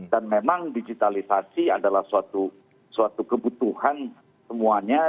dan memang digitalisasi adalah suatu kebutuhan semuanya